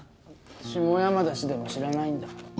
下山田氏でも知らないんだま